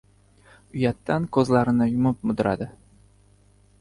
Uyatdan ko‘zlarini yumib mudradi.